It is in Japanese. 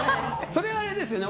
それは、あれですよね